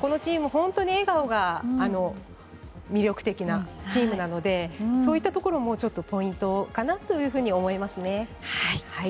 このチーム、本当に笑顔が魅力的なチームなのでそういったところもポイントかなと思いますね。